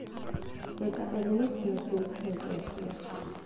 ეკატერინეს ბერძენთა ეკლესია.